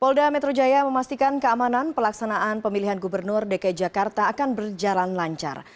polda metro jaya memastikan keamanan pelaksanaan pemilihan gubernur dki jakarta akan berjalan lancar